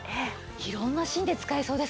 色んなシーンで使えそうですね。